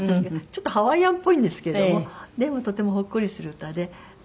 ちょっとハワイアンっぽいんですけどもでもとてもほっこりする歌で。